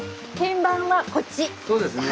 そうですね。